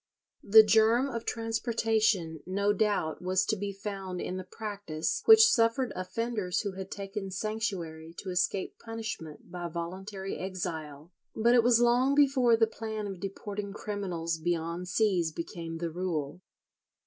The germ of transportation no doubt was to be found in the practice which suffered offenders who had taken sanctuary to escape punishment by voluntary exile,[41:1] but it was long before the plan of deporting criminals beyond seas became the rule.